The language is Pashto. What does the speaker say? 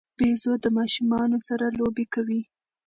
بيزو د ماشومانو سره لوبې کوي.